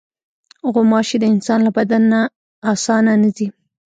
غوماشې د انسان له بدن نه اسانه نه ځي.